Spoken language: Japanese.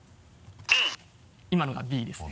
今のが「Ｂ」ですね。